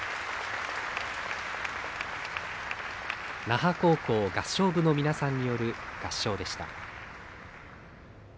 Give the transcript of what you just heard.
那覇高校合唱部の皆さんによる合唱でした。